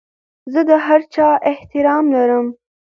زه د هر چا احترام لرم.